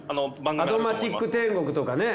「アド街ック天国」とかね。